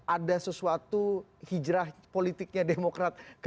ada sesuatu hijrah politiknya demokrat